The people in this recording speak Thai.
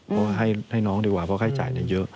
เพราะให้น้องดีกว่าเพราะให้จ่ายเนี่ยเยอะ